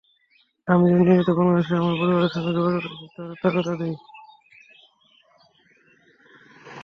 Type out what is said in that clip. আমি যেন নিয়মিত বাংলাদেশে আমার পরিবারের সঙ্গে যোগাযোগ রাখি তার তাগাদা দেয়।